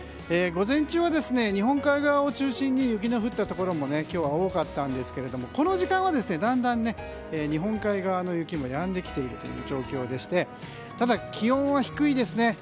午前中は日本海側を中心に雪の降ったところも今日は多かったんですがこの時間はだんだん日本海側の雪もやんできている状況でしてただ、気温は低いですね。